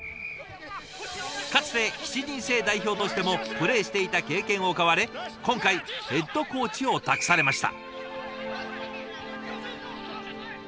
かつて７人制代表としてもプレーしていた経験を買われ今回ヘッドコーチを託されました。